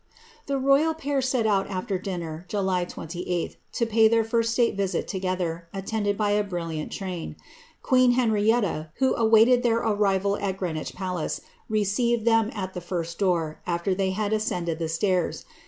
The royal pair set out after dinner, July 28th, to pay their first state visit together, attended by a brilliant train. Qiiccn Henrietta, who ivaited their arrival at Greenwich palace, received them at the first door, ifter they had ascended the stairs.